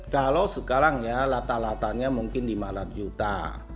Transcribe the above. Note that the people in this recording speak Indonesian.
kalau sekarang ya latar latarnya mungkin lima ratus juta